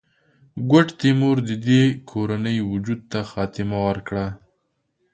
ګوډ تیمور د دې کورنۍ وجود ته خاتمه ورکړه.